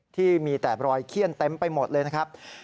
ที่มีแต่รอยเขี้ยนเต็มไปหมดเลยนะครับ